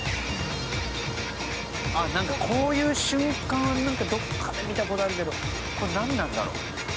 あっなんかこういう瞬間はどこかで見た事あるけどこれなんなんだろう？